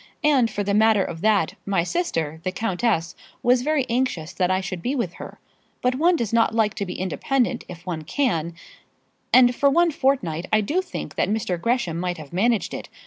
And, for the matter of that, my sister, the countess, was very anxious that I should be with her. But one does like to be independent if one can, and for one fortnight I do think that Mr. Gresham might have managed it.